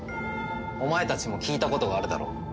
お前たちも聞いたことがあるだろう。